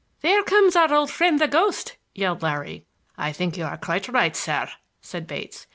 "There comes our old friend, the ghost," yelled Larry. "I think you are quite right, sir," said Bates.